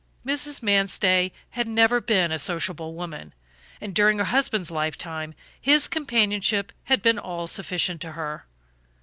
Mrs. Manstey had never been a sociable woman, and during her husband's lifetime his companionship had been all sufficient to her.